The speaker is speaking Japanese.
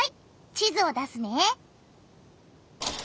地図を出すね。